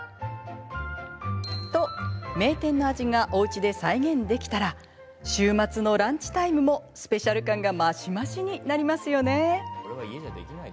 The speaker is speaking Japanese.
と名店の味がおうちで再現できたら週末のランチタイムもスペシャル感が増し増しになりますよね。